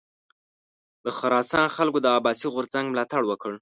د خراسان خلکو د عباسي غورځنګ ملاتړ وکړ.